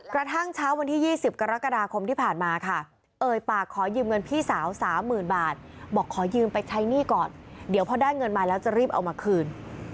กระทั่งเช้าวันที่๒๐กรกฎาคมที่ผ่านมาค่ะเอ่ยปากขอยืมเงินพี่สาว๓๐๐๐บาทบอกขอยืมไปใช้หนี้ก่อนเดี๋ยวพอได้เงินมาแล้วจะรีบเอามาคืน